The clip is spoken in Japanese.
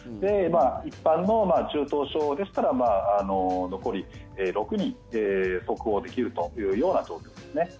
一般の中等症でしたら残り６人、即応できるというような状況ですね。